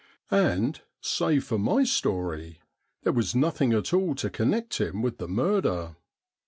And, save for my story, there was nothing at all to connect him with the murder.